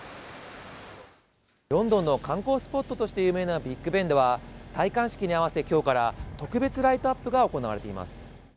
ロンドンの観光スポットとして有名なビッグベンでは、戴冠式に合わせ、今日から特別ライトアップが行われています。